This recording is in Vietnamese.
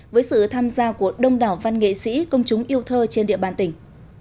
với sự tham gia của đông đảo văn nghệ sĩ công chúng yêu thơ trên địa bàn tỉnh